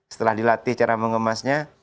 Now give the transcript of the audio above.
setelah dilatih cara mengemasnya